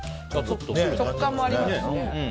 食感もありますしね。